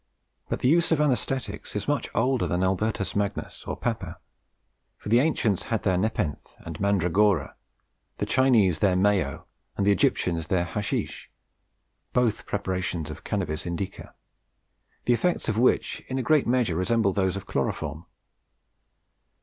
But the use of anaesthetics is much older than Albertus Magnus or Papin; for the ancients had their nepenthe and mandragora; the Chinese their mayo, and the Egyptians their hachisch (both preparations of Cannabis Indica), the effects of which in a great measure resemble those of chloroform.